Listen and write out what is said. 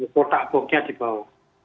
potah bomnya di bawah